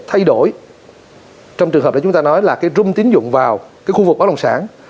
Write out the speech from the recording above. thay đổi trong trường hợp là chúng ta nói là cái rung tín dụng vào cái khu vực bất động sản